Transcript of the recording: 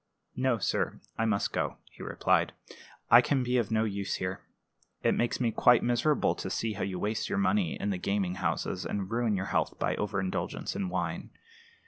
"No, sir; I must go," he replied. "I can be of no use here. It makes me quite miserable to see how you waste your money in the gaming houses, and ruin your health by overindulgence in wine.